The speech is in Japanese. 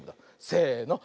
せの。